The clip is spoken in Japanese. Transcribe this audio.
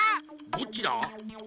どっちだ？